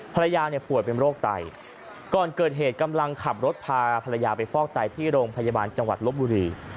ภรรยาเนี่ยป่วยเป็นโรคไตก่อนเกิดเหตุกำลังขับรถพาภรรยาไปฟอกไตที่โรงพยาบาลจังหวัดลบบุรี